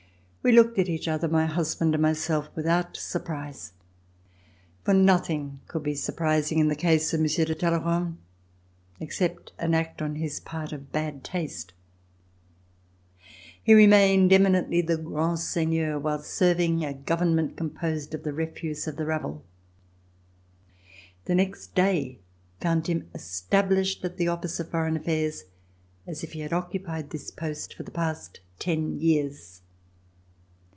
We looked at each other, my husband and myself, without surprise, for nothing could be surprising in the case of Monsieur de Talleyrand except an act on his part of bad taste. He remained eminently the gra7id seigneur^ while serving a government composed of the refuse of the rabble. The next day found him established at the office of Foreign Affairs as if he RECOLLECTIONS OF THE REVOLUTION had occupied this post for the past ten years.